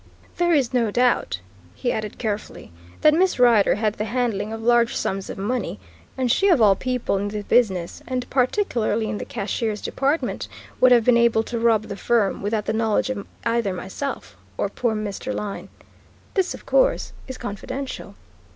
There is no doubt," he added carefully, "that Miss Rider had the handling of large sums of money, and she of all people in the business, and particularly in the cashier's department would have been able to rob the firm without the knowledge of either myself or poor Mr. Lyne. This, of course, is confidential."